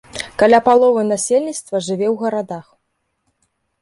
Каля паловы насельніцтва жыве ў гарадах.